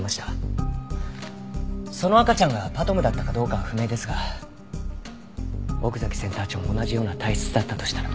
その赤ちゃんがＰＡＴＭだったかどうかは不明ですが奥崎センター長も同じような体質だったとしたら。